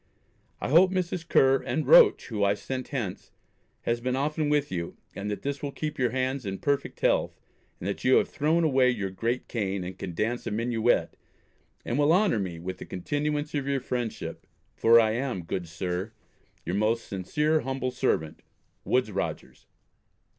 I hope Mrs. Ker and Roach who I sent hence has been often with you, and that this will keep your hands in perfect health and that you have thrown away your great cane, and can dance a minuet, and will honour me with the continuance of your friendship, for I am, good Sir, Your most sincere humble servant, WOODES ROGERS.